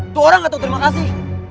itu orang yang gak tau terima kasih